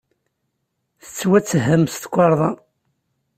Tettwatthem s tukerḍa.